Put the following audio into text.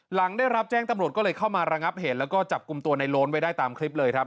หลังได้รับแจ้งตำรวจก็เลยเข้ามาระงับเหตุแล้วก็จับกลุ่มตัวในโล้นไว้ได้ตามคลิปเลยครับ